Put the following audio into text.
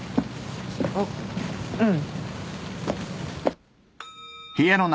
あっうん。